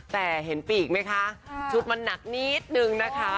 แต่เห็นปีกไหมคะชุดมันหนักนิดนึงนะคะ